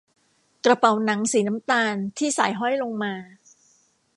กระเป๋าหนังสีน้ำตาลที่สายห้อยลงมา